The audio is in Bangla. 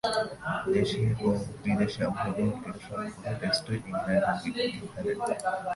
দেশে ও বিদেশে অংশগ্রহণকৃত সবগুলো টেস্টই ইংল্যান্ডের বিপক্ষে খেলেন।